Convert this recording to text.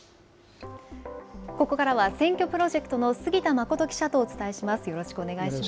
ここからは選挙プロジェクトの杉田淳記者とお伝えします。